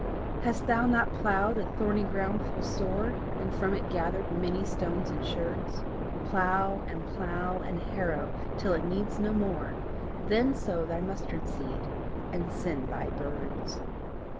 Hast thou not ploughed my thorny ground full sore, And from it gathered many stones and sherds? Plough, plough and harrow till it needs no more Then sow thy mustard seed, and send thy birds.